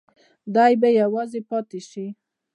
دی به یوازې پاتې شي.